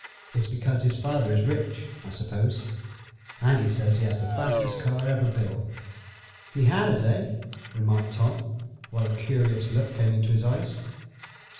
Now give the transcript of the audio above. It's because his father is rich, I suppose. Andy says he has the fastest car ever built." "He has, eh?" remarked Tom, while a curious look came into his eyes.